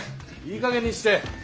いいかげんにして。